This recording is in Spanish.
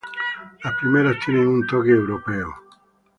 Las primeras tienen un toque europeo.